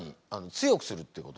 強くするってこと？